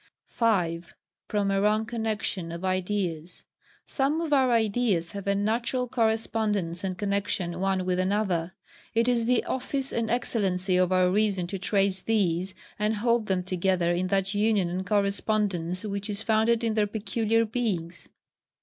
5. From a wrong Connexion of Ideas. Some of our ideas have a NATURAL correspondence and connexion one with another: it is the office and excellency of our reason to trace these, and hold them together in that union and correspondence which is founded in their peculiar beings.